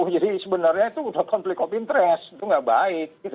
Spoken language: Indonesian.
jadi sebenarnya itu sudah konflik of interest itu tidak baik